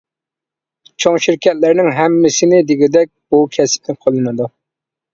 چوڭ شىركەتلەرنىڭ ھەممىسىنى دېگۈدەك بۇ كەسىپنى قوللىنىدۇ.